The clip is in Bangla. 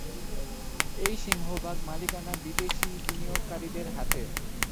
এটির সিংহভাগ মালিকানা বিদেশী বিনিয়োগকারীদের হাতে।